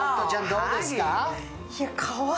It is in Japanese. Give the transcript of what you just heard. どうですか？